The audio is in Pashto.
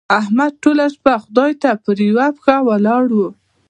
احمد ټوله شپه خدای ته پر يوه پښه ولاړ وو.